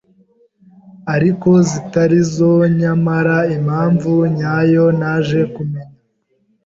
ariko zitarizo nyamara impamvu nyayo naje kumeny